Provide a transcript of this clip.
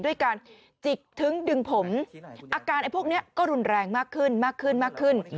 ด้วยการจิกถึงดึงผมอาการไอ้พวกนี้ก็รุนแรงมากขึ้นมากขึ้นมากขึ้นมากขึ้น